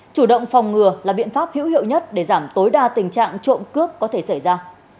chủ động phòng ngừa là biện pháp hữu hiệu nhất để giảm tối đa tình trạng trộm cướp có thể xảy ra